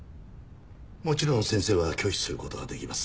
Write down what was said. もちろん先生は拒否する事ができます。